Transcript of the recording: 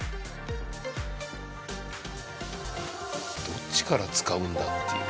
どっちから使うんだっていう。